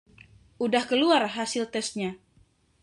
udah keluar hasil testnya?